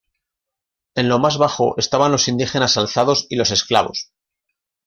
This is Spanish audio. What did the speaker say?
En lo más bajo estaban los indígenas alzados y los esclavos.